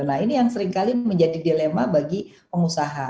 nah ini yang seringkali menjadi dilema bagi pengusaha